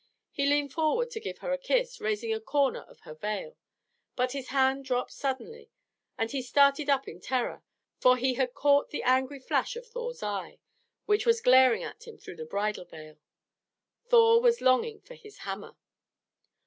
He leaned forward to give her a kiss, raising a corner of her veil; but his hand dropped suddenly, and he started up in terror, for he had caught the angry flash of Thor's eye, which was glaring at him through the bridal veil. Thor was longing for his hammer.